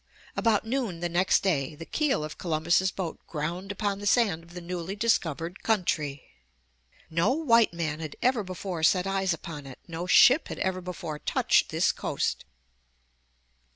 About noon the next day, the keel of Columbus* boat ground upon the sand of the newly discovered country. No white man had ever before set eyes upon it. No ship had ever before touched this coast.